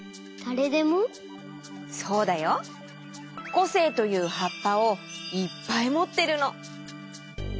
こせいというはっぱをいっぱいもってるの。